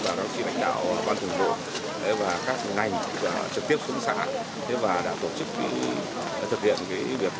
và đồng chí bệnh đạo ban thường hồ và các ngành trực tiếp xuống xã đã tổ chức thực hiện việc